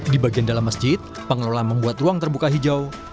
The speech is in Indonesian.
di bagian dalam masjid pengelola membuat ruang terbuka hijau